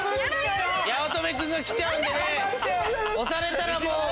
八乙女君が来ちゃうんでね押されたら。